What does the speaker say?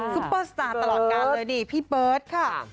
ซุปเปอร์สตาร์ตลอดการเลยนี่พี่เบิร์ตค่ะ